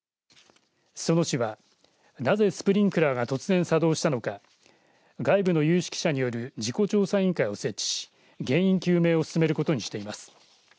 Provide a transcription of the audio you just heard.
裾野市はなぜスプリンクラーが突然作動したのか外部の有識者による事故調査委員会を設置し原因究明を進めることにしています。